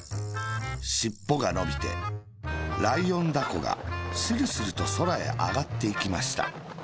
しっぽがのびてライオンだこがスルスルとそらへあがっていきました。